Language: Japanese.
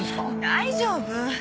大丈夫！